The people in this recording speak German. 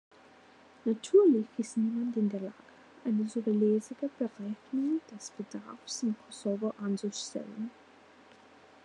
Natürlich ist niemand in der Lage, eine zuverlässige Berechnung des Bedarfs im Kosovo anzustellen.